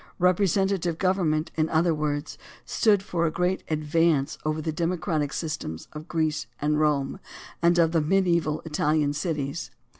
Repre sentative government, in other words, stood for a great advance over the democratic systems of Greece and Rome and of the mediaeval Italian cities.